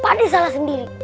pak de salah sendiri